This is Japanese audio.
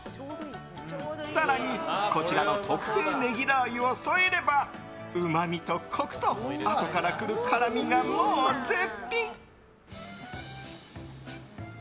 更に、こちらの特製ネギラー油を添えればうまみとコクとあとから来る辛みが、もう絶品！